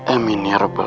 amin ya rabbah